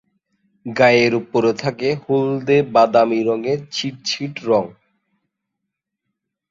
গায়ের ওপরে থাকে হলদে-বাদামি রঙের ছিট ছিট রঙ।